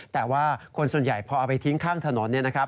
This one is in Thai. แต่ว่าคนส่วนใหญ่พอเอาไปทิ้งข้างถนน